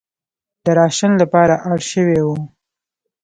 د راشن لپاره اړ شوې وه.